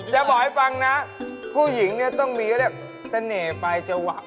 จะบอกให้ฟังนะผู้หญิงเนี่ยต้องมีเรียกเสน่ห์ปลายจวะ